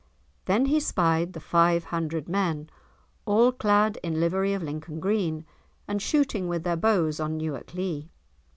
Then he spied the five hundred men, all clad in livery of Lincoln green, and shooting with their bows on Newark Lee.